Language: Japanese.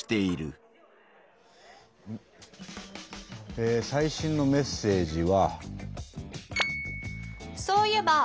え最新のメッセージは。